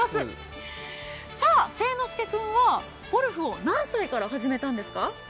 誠ノ介君はゴルフを何歳から始めたんですか？